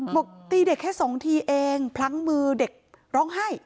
บอกตีเด็กแค่สองทีเองพลั้งมือเด็กร้องไห้